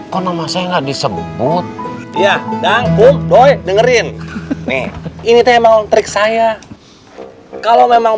kok nama saya nggak disebut ya dan kum doi dengerin nih ini teman trik saya kalau memang